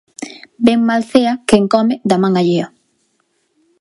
Ben mal cea quen come de man allea.